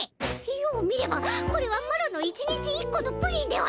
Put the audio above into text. よう見ればこれはマロの一日一このプリンではないかの？